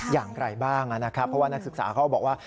อย่างไรบ้างนะครับเพราะว่านักศึกษาเขาบอกว่า